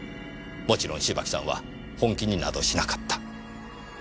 もちろん芝木さんは本気になどしなかった。